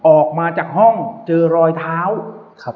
ออกมาจากห้องเจอรอยเท้าครับ